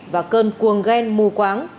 và cơn cuồng ghen mù quáng